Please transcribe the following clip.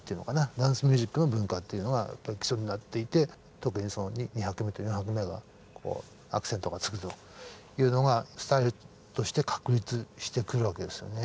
ダンスミュージックの文化っていうのがやっぱり基礎になっていて特に２拍目と４拍目がこうアクセントがつくというのがスタイルとして確立してくるわけですよね。